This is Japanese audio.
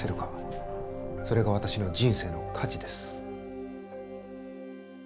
それが私の人生の価値です。